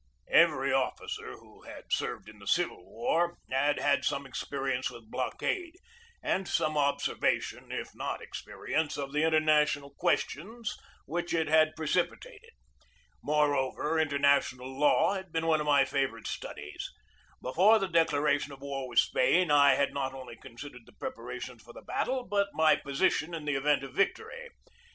Every officer who had served in "the Civil War had had some experience with blockade, and some observation, if not experience, of the international questions which it had precipitated. Moreover, in ternational law had been one of my favorite studies. Before the declaration of war with Spain I had not only considered the preparations for the battle, but my position in the event of victory.